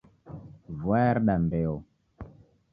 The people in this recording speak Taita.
Vua yareda mbeo.